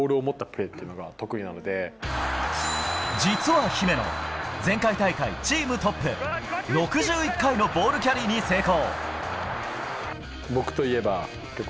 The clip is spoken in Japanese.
実は姫野、前回大会、チームトップ６１回のボールキャリーに成功。